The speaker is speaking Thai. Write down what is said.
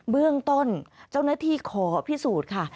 เบื้องต้นเจ้านที่ขอพิสูจน์